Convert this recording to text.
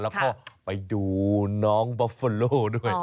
แล้วก็ไปดูน้องบอฟเฟอร์โลด้วย